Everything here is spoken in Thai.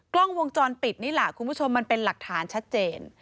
กล้องวงจรปิดนี่แหละคุณผู้ชมมันเป็นหลักฐานชัดเจน